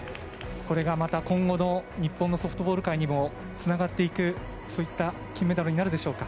これがまた今後の日本のソフトボール界にも、つながっていく、そういった金メダルになるでしょうか。